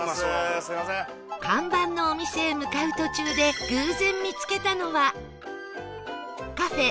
看板のお店へ向かう途中で偶然見つけたのは